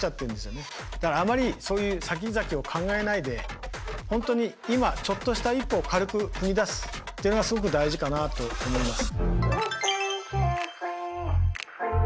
だからあまりそういうさきざきを考えないで本当に今ちょっとした一歩を軽く踏み出すっていうのがすごく大事かなと思います。